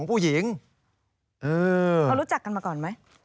เออพอรู้จักกันมาก่อนไหม